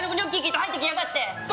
入ってきやがって。